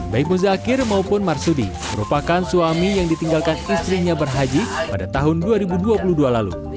baik muzakir maupun marsudi merupakan suami yang ditinggalkan istrinya berhaji pada tahun dua ribu dua puluh dua lalu